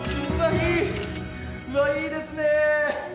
いいうわいいですね